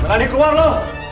melani keluar lo